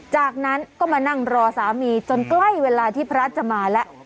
จากนั้นก็มานั่งรอสามีจนใกล้เวลาที่พระจะมาแล้ว